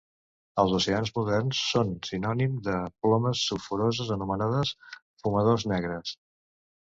Als oceans moderns són sinònim de plomes sulfuroses anomenades fumadors negres.